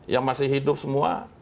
yang masih hidup semua